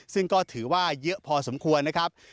ซึ่งก็ถือว่าเยอะพอสมควรนะครับ